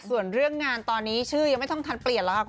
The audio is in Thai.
ส่วนเรื่องงานตอนนี้ชื่อยังไม่ต้องทันเปลี่ยนแล้วค่ะคุณ